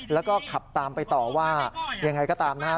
แล้วก็ขับตามไปต่อว่าอย่างไรก็ตามหน้า